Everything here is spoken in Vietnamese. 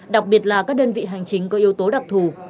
đặc biệt là các đơn vị hành chính có yếu tố đặc thù